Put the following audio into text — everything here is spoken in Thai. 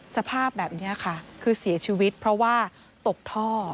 สภาพแบบนี้ค่ะคือเสียชีวิตเพราะว่าตกท่อ